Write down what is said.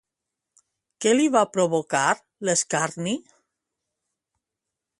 Què li va provocar l'escarni?